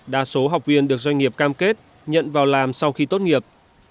đa số học viên được doanh nghiệp cam kết nhận vào làm sau khi tốt nghiệp